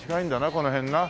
この辺な。